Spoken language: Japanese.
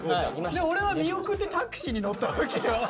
でオレは見送ってタクシーに乗ったわけよ。